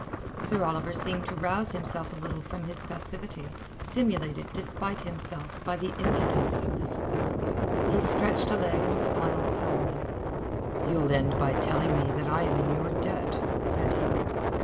Sir Oliver seemed to rouse himself a little from his passivity, stimulated despite himself by the impudence of this rogue. He stretched a leg and smiled sourly. "You'll end by telling me that I am in your debt," said he.